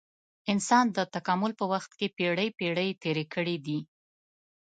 انسان د تکامل په وخت کې پېړۍ پېړۍ تېرې کړې دي.